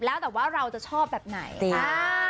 แล้วแต่ว่าเราจะชอบแบบไหนจริง